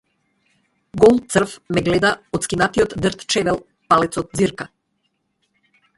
Гол црв ме гледа од скинатиот дрт чевел палецот ѕирка.